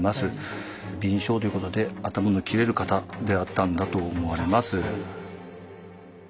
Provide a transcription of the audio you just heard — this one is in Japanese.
敏捷ということで頭の切れる方であったんだと思われます。